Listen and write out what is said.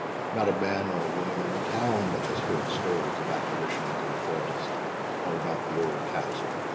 Not a man or woman in the town but has heard stories of apparitions in the forest, or about the old castle.